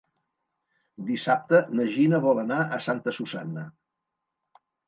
Dissabte na Gina vol anar a Santa Susanna.